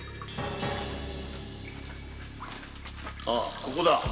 あここだ。